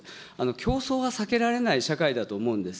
競争は避けられない社会だと思うんです。